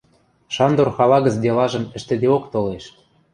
Шандор хала гӹц делажым ӹштӹдеок толеш.